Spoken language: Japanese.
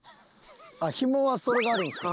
ひもはそれがあるんですか？